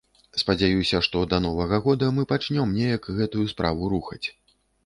Спадзяюся, што да новага года мы пачнём неяк гэтую справу рухаць.